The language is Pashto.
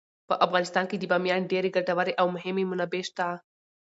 په افغانستان کې د بامیان ډیرې ګټورې او مهمې منابع شته.